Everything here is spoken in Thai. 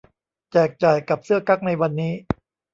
แจกจ่ายกับเสื้อกั๊กในวันนี้